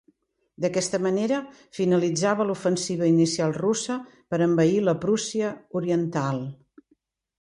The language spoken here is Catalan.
D'aquesta manera finalitzava l'ofensiva inicial russa per envair la Prússia Oriental.